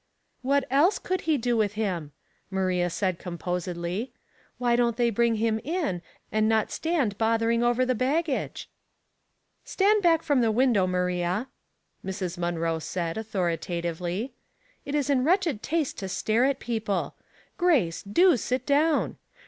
" What eUe could be do with him ?" Maria said, composedly. *' Why don't they bring him in, and not stand bothering over the baggage ?"" Stand back from the window, Maria," Mrs. Munroe said, authoritatively. " It is in wretch ed taste to stare at people. Grace, do sit down.